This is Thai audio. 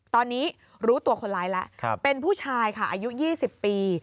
ตอนนี้รู้ตัวคนร้ายแล้วเป็นผู้ชายค่ะอายุ๒๐ปี